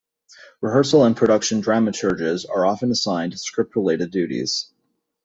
Rehearsal and production dramaturges are often assigned script-related duties.